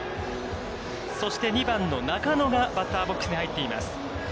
そして、２番の中野がバッターボックスに入っています。